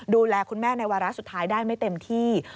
ดูแลคุณแม่ในวาระสุดท้ายได้ไม่เต็มที่